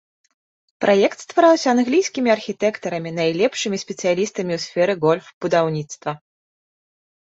Праект ствараўся англійскімі архітэктарамі, найлепшымі спецыялістамі ў сферы гольф-будаўніцтва.